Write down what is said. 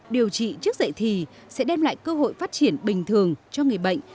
điều trị trước dạy thì sẽ đem lại cơ hội phát triển bình thường cho người bệnh